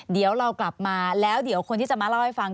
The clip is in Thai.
เดี๋ยวเรากลับมาแล้วเดี๋ยวคนที่จะมาเล่าให้ฟัง